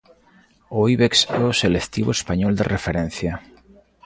O Ibex é o selectivo español de referencia.